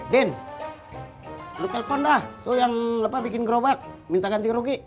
din lo telepon dah tuh yang bikin gerobak minta ganti rugi